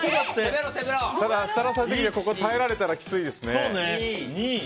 ただ、設楽さん的には耐えられたらきついですね。